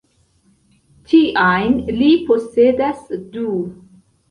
Tiajn li posedas du.